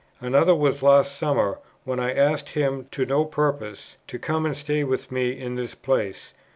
Another was last summer, when I asked him (to no purpose) to come and stay with me in this place.